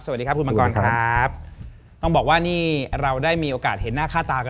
สวัสดีครับคุณมังกรครับต้องบอกว่านี่เราได้มีโอกาสเห็นหน้าค่าตากัน